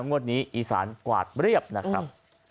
งวดนี้อีสานกวาดเรียบนะครับ